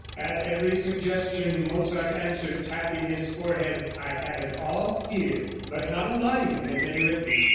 At every suggestion Mozart answered, tapping his forehead, "I have it all here." But not a line had been written.